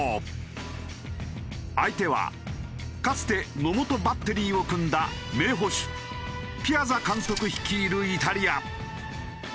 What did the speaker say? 相手はかつて野茂とバッテリーを組んだ名捕手ピアザ監督率いるイタリア。